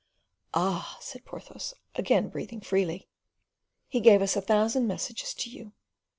"Ah!" said Porthos, again breathing freely. "He gave us a thousand messages to you."